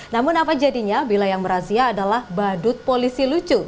namun apa jadinya bila yang merazia adalah badut polisi lucu